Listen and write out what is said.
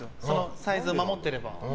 サイズを守ってれば。